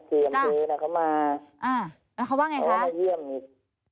แล้วเขามาเขามาเยี่ยมอีก